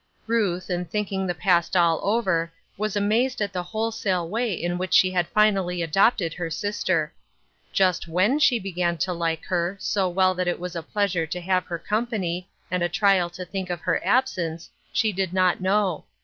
Ruth, in thinking the past all over, was amazed at the wholesale way in which she had finally adopted her sister. Just when she began to like her, so well that it was a pleas ure to have her company and a trial to thir»k of her absence, she did not know.